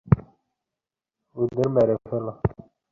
ওদের মেরে ফেল।